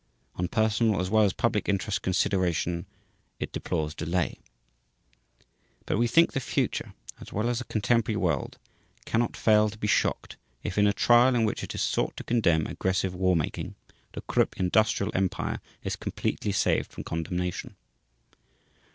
On personal as well as public interest consideration it deplores delay. But we think the future as well as the contemporary world cannot fail to be shocked if, in a trial in which it is sought to condemn aggressive war making, the Krupp industrial empire is completely saved from condemnation.